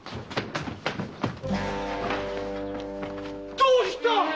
どうした！